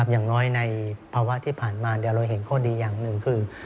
อย่างน้อยในภาวะที่ผ่านมาเราเห็นข้อดีอย่างหนึ่งคือ